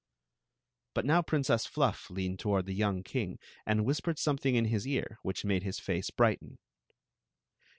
But now Princess Fluff leaned toward the young king and whispered something in his ear which made his face brighten.